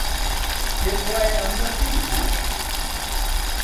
پێت وایە ئەمە فیلمە؟